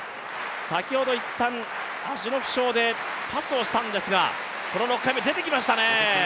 先ほど一旦足の負傷でパスをしたんですが、この６回目、出てきましたね。